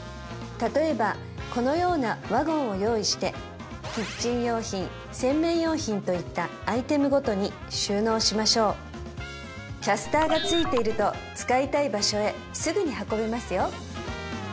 例えばこのようなワゴンを用意してキッチン用品洗面用品といったアイテムごとに収納しましょうキャスターが付いていると使いたい場所へすぐに運べますよ